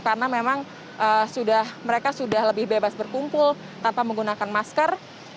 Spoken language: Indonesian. karena memang mereka sudah lebih bebas berkumpul tanpa menggunakan masker